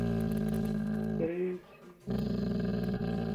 তাই, সে আমার কাছে আসে।